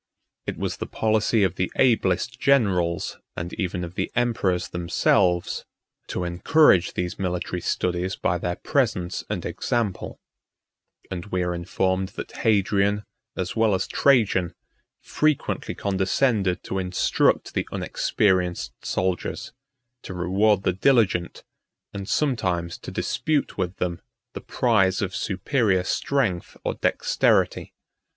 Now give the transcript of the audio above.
39 It was the policy of the ablest generals, and even of the emperors themselves, to encourage these military studies by their presence and example; and we are informed that Hadrian, as well as Trajan, frequently condescended to instruct the unexperienced soldiers, to reward the diligent, and sometimes to dispute with them the prize of superior strength or dexterity.